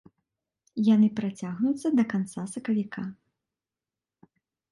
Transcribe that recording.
Яны працягнуцца да канца сакавіка.